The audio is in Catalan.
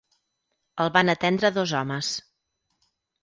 El van atendre dos homes.